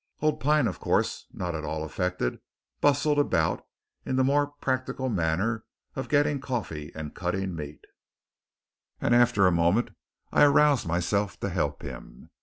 Old Pine, of course not at all affected, bustled about in the more practical matter of getting coffee and cutting meat; and after a moment I aroused myself to help him.